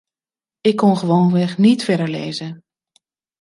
Ik kon gewoonweg niet verder lezen.